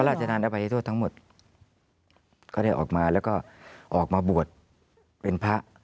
ราชนานอภัยโทษทั้งหมดก็ได้ออกมาแล้วก็ออกมาบวชเป็นพระ